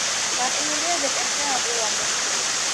გაყინულია დეკემბრიდან აპრილამდე.